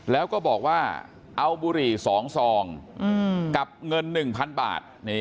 แล้วก็บอกว่าเอาบุหรี่๒ซองกับเงิน๑๐๐๐บาท